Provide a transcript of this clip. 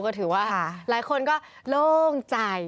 ก็ถือว่าหลายคนก็โล่งใจ